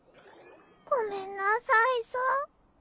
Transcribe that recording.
ごめんなさいさ。